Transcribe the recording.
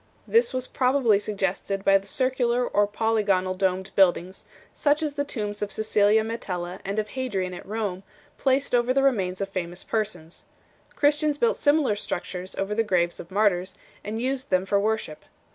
This was probably suggested by the circular or polygonal domed buildings, such as the tombs of Cecilia Metella and of Hadrian at Rome, placed over the remains of famous persons. Christians built similar structures over the graves of martyrs, and used them for worship.